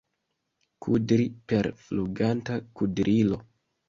Kudri per fluganta kudrilo.